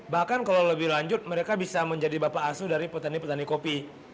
bahkan kalau lebih lanjut mereka bisa menjadi bapak asuh dari petani petani kopi